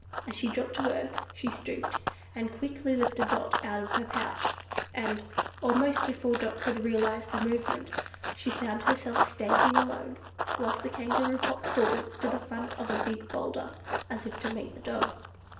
As she dropped to earth, she stooped, and quickly lifted Dot out of her pouch, and, almost before Dot could realize the movement, she found herself standing alone, whilst the Kangaroo hopped forward to the front of a big boulder, as if to meet the dog.